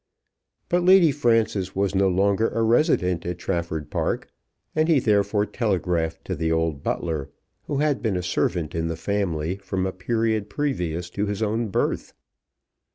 But Lady Frances was no longer a resident at Trafford Park, and he therefore telegraphed to the old butler, who had been a servant in the family from a period previous to his own birth.